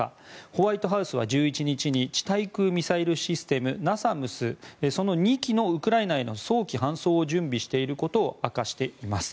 ホワイトハウスは１１日に地対空ミサイルシステムＮＡＳＡＭＳ、その２基のウクライナへの早期搬送を準備していることを明かしています。